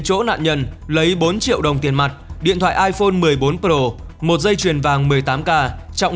chỗ nạn nhân lấy bốn triệu đồng tiền mặt điện thoại iphone một mươi bốn pro một dây chuyền vàng một mươi tám k trọng